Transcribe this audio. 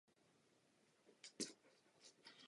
Mají jemnou srst.